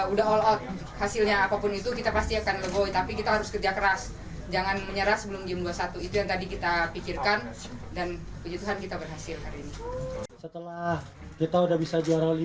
udah all out hasilnya apapun itu kita pasti akan legoy tapi kita harus kerja keras